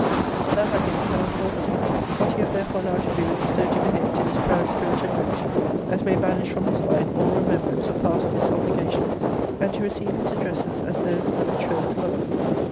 ] [But that I think cannot well be. What you have therefore now to do, is so to behave to this proud spirited wretch, as may banish from his mind all remembrance of] past disobligations,* and to receive his addresses, as those of a betrothed lover.